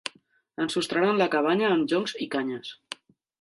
Ensostraren la cabana amb joncs i canyes.